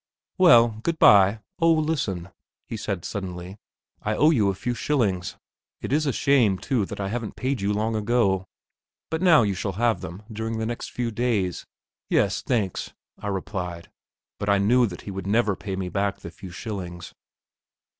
"Well, good bye! O listen," he said suddenly. "I owe you a few shillings. It is a shame, too, that I haven't paid you long ago, but now you shall have them during the next few days." "Yes, thanks," I replied; but I knew that he would never pay me back the few shillings.